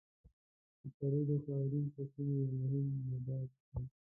کچالو د خاورین فصلونو یو مهم نبات دی.